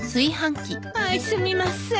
あいすみません。